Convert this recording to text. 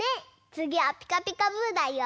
つぎは「ピカピカブ！」だよ！